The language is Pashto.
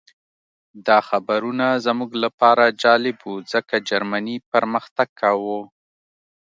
دا خبرونه زموږ لپاره جالب وو ځکه جرمني پرمختګ کاوه